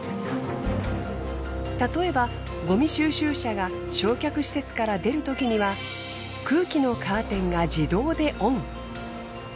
例えばごみ収集車が焼却施設から出るときには空気のカーテンが自動でオン。